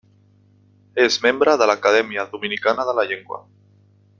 És membre de l'Acadèmia Dominicana de la Llengua.